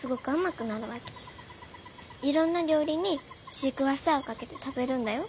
いろんな料理にシークワーサーをかけて食べるんだよ。